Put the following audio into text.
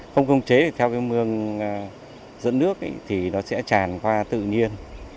không chế thì theo mương dẫn nước thì nó sẽ tràn qua tự nhiên